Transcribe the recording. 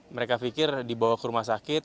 mereka pikir dibawa ke rumah sakit